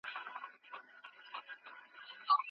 غل څنګه رسوا کيږي؟